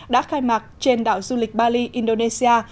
đã khai mạc trên đảo du lịch bali indonesia